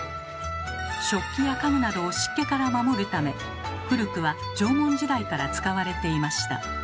食器や家具などを湿気から守るため古くは縄文時代から使われていました。